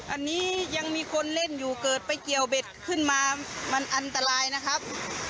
อันนี้ยังมีคนเล่นอยู่เกิดไปเกี่ยวเบ็ดขึ้นมามันอันตรายนะครับ